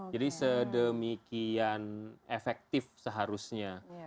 jadi sedemikian efektif seharusnya